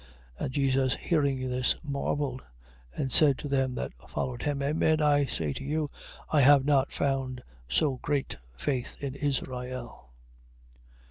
8:10. And Jesus hearing this, marvelled; and said to them that followed him. Amen I say to you, I have not found so great faith in Israel.